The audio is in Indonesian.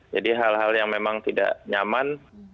jadi hal hal yang memang tidak nyaman